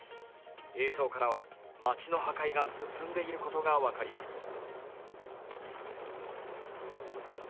映像からは町の破壊が進んでいることが分かります。